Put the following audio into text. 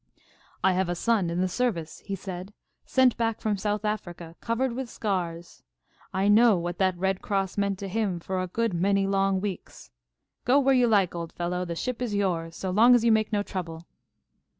"I have a son in the service," he said, "sent back from South Africa, covered with scars. I know what that Red Cross meant to him for a good many long weeks. Go where you like, old fellow! The ship is yours, so long as you make no trouble."